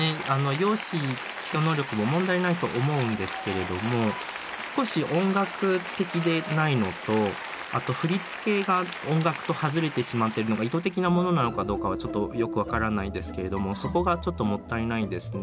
容姿基礎能力も問題ないと思うんですけれども少し音楽的でないのとあと振り付けが音楽と外れてしまってるのが意図的なものなのかどうかはちょっとよく分からないですけれどもそこがちょっともったいないですね。